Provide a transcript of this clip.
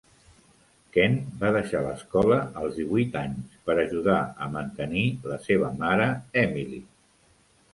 Ken va deixar l'escola als divuit anys per ajudar a mantenir la seva mare Emily.